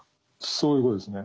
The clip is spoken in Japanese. そういうことですね。